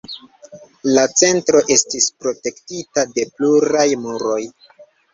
La centro estis protektita de pluraj muroj.